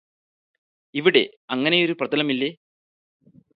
ഇവിടെ അങ്ങനെയൊരു പ്രതലമില്ലേ